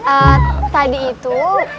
eh tadi itu